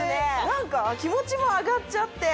何か気持ちも上がっちゃって。